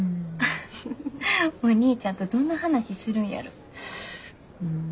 お兄ちゃんとどんな話するんやろ？